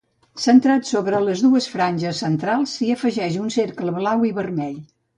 Centrat sobre les dues franges centrals s'hi afegeix un cercle blau i vermell.